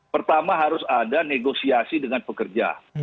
pertama harus ada negosiasi dengan pekerja